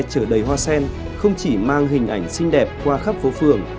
đoàn xe hoa chở đầy hoa sen không chỉ mang hình ảnh xinh đẹp qua khắp phố phường